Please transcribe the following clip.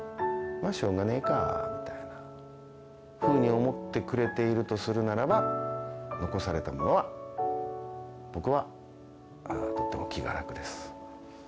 まあ、しょうがねえかぁみたいなふうに思ってくれているとするならば、残された者は、僕はとっても気が楽です。